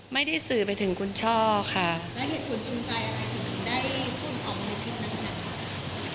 ไม่ได้สื่อไปถึงคุณช่อค่ะและเหตุผลจงใจอะไรถึงได้พูดของในคลิปนั้น